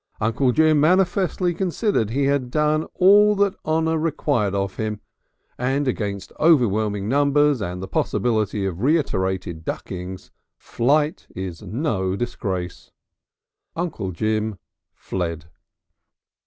Uncle Jim manifestly considered he had done all that honour required of him, and against overwhelming numbers and the possibility of reiterated duckings, flight is no disgrace. Uncle Jim fled.